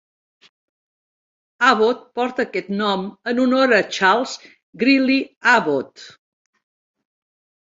Abbot porta aquest nom en honor a Charles Greeley Abbot.